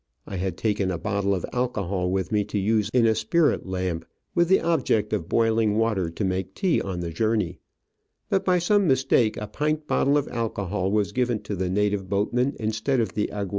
I had taken a bottle of alcohol with me to use in a spirit lamp, with the object of boiling water to make tea on the journey, but by some mistake a pint bottle of alcohol was given to the native boatmen instead of the aguardiente.